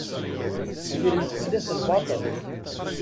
Gren-d fell-as lbaṭel.